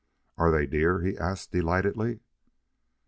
"Are they deer?" he asked, delightedly.